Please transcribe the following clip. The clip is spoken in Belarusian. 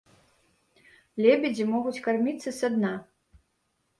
Лебедзі могуць карміцца са дна.